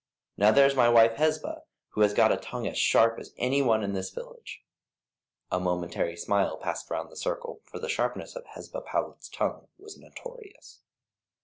Now there's my wife Hesba, who has got a tongue as sharp as any one in this village." A momentary smile passed round the circle, for the sharpness of Hesba Powlett's tongue was notorious.